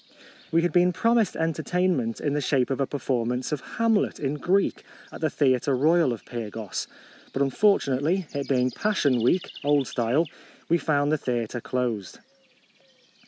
We had been promised entertain ment in the shape of a performance of " Hamlet " in Greek, at the Theatre Eoyal of Pyrgos. But un fortunately, it being Passion week, old style, we found the theatre closed.